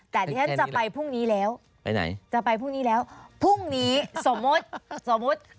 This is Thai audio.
แต่ดิฉันจะไปพรุ่งนี้แล้วไปไหนจะไปพรุ่งนี้แล้วพรุ่งนี้สมมุติสมมุติ